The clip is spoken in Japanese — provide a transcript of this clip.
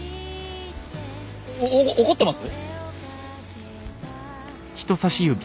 お怒ってます？